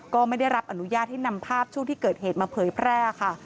ไม่ได้รับอนุญาตให้นำภาพช่วงที่เกิดเหตุมาเผยแพร่ค่ะ